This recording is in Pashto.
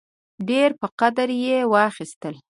ډېر په قدر یې واخیستل.